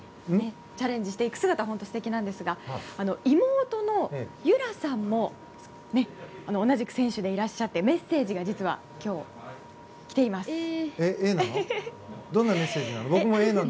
チャレンジしていく姿は本当に素敵なんですが妹の由徠さんも同じく選手でいらっしゃってメッセージがきています。